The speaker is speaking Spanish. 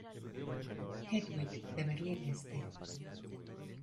Hedwig de Berlín Este.